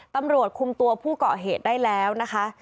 ตำรวจคุมตัวผู้เกาะเหตุได้แล้วนะคะ